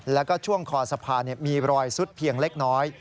แล้วก็ช่วงคอสะพานมีรอยซุดเพียงเล็กน้อย